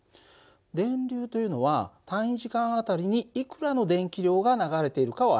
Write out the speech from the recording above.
電流というのは単位時間あたりにいくらの電気量が流れているかを表してるんだよ。